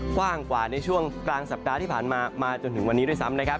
กว้างกว่าในช่วงกลางสัปดาห์ที่ผ่านมามาจนถึงวันนี้ด้วยซ้ำนะครับ